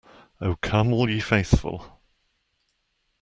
Oh come all ye faithful.